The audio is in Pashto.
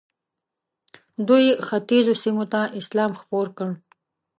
دوی ختیځو سیمو ته اسلام خپور کړ.